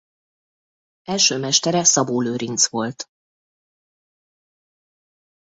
Első mestere Szabó Lőrinc volt.